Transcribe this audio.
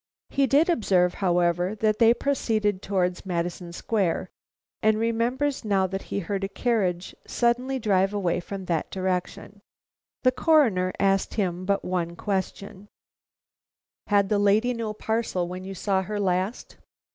He did observe, however, that they proceeded towards Madison Square, and remembers now that he heard a carriage suddenly drive away from that direction. The Coroner asked him but one question: "Had the lady no parcel when you saw her last?"